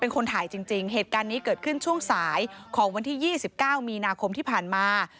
เป็นคนถ่ายจริงเหตุการณ์นี้เกิดขึ้นช่วงสายของวันที่๒๙มีนาคมที่ผ่านมา